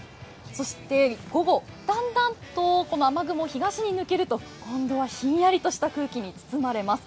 そして午後、だんだんとこの雨雲東に抜けると、今度はひんやりとした空気に包まれます。